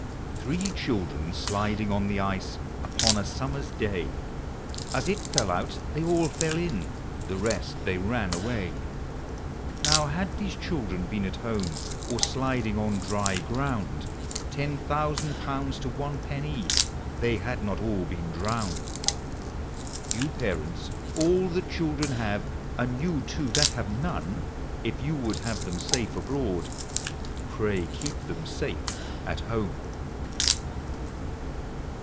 Three children sliding on the ice Upon a summer's day, As it fell out they all fell in, The rest they ran away. Now, had these children been at home, Or sliding on dry ground, Ten thousand pounds to one penny They had not all been drowned. You parents all that children have, And you too that have noue, If vou would have them safe abroad Pray keep them safe at home.